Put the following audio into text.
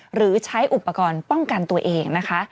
หรือใช้อุปกรณ์ป้องกันตัวเองนะคะ